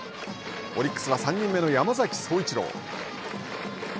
オリックスは３人目の山崎颯一郎。